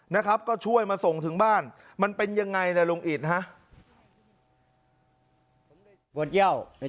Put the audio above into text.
นะครับก็ช่วยมาส่งถึงบ้านมันเป็นอย่างไรนะลุงอิทธิ์